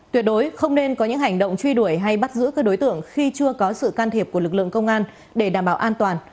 tuyệt đối không nên có những hành động truy đuổi hay bắt giữ các đối tượng khi chưa có sự can thiệp của lực lượng công an để đảm bảo an toàn